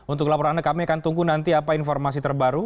untuk laporan anda kami akan tunggu nanti apa informasi terbaru